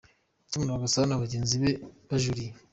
Tom Rwagasana na bagenzi be bajuriye.